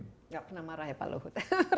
tidak pernah marah ya pak luhut